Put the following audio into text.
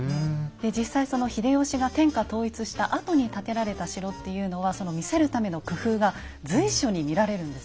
で実際秀吉が天下統一したあとに建てられた城っていうのはその見せるための工夫が随所に見られるんですね。